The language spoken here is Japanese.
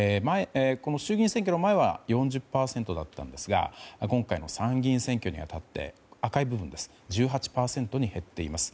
衆議院選挙の前は４０％だったんですが今回の参議院選挙に当たり赤い部分ですが１８％に減っています。